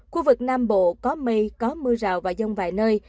khu vực nam bộ có mây có mưa rào và rông vài nơi